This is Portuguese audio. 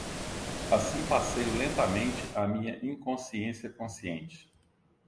Assim passeio lentamente a minha inconsciência consciente